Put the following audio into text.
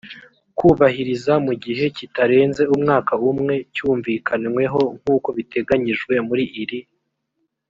kubahiriza mu gihe kitarenze umwaka umwe cyumvikanweho nk uko biteganyijwe muri iri